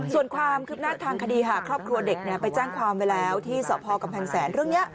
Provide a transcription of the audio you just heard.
ส่วนความคืบหน้าทางคดีครอบครัวเด็กไปแจ้งความไว้แล้วที่สหพากำแพงแสน